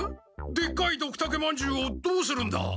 でっかいドクタケまんじゅうをどうするんだ？